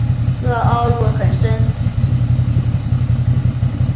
萼凹入很深。